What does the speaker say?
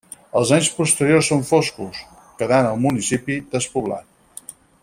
Els anys posteriors són foscos, quedant el municipi despoblat.